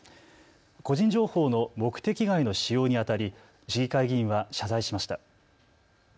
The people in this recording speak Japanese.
個人情報の目的外の使用にあたり市議会議員は謝罪しました。